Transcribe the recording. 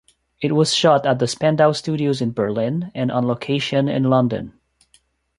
It was shot at the Spandau Studios in Berlin and on location in London.